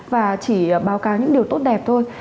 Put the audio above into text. và chỉ báo cáo những điều tốt đẹp thôi